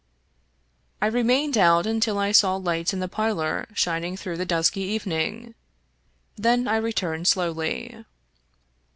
I remained out until I saw lights in the parlor shining through the dusky evening; then I returned slowly.